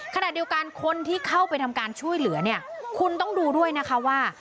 ขณะเดียวกันคนที่เข้าไปทำการช่วยเหลือเนี่ยคุณต้องดูด้วยนะคะว่า